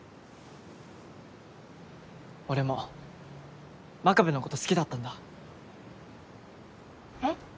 俺も真壁のこと好きだったんだ。え？